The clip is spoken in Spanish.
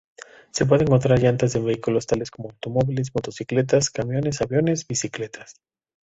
Se pueden encontrar llantas en vehículos tales como automóviles, motocicletas, camiones, aviones, bicicletas.